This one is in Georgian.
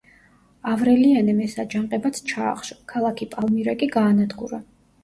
ავრელიანემ ეს აჯანყებაც ჩაახშო, ქალაქი პალმირა კი გაანადგურა.